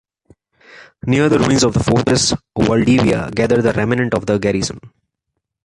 Near the ruins of the fortress Valdivia gathered the remnant of the garrison.